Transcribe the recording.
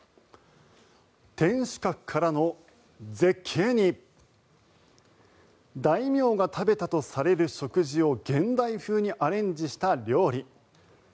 天守閣からの絶景に大名が食べたとされる食事を現代風にアレンジした料理。